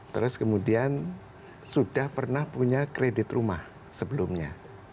terus kemudian sudah pernah punya kredit rumah sebelumnya